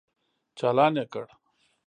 چالان يې کړ.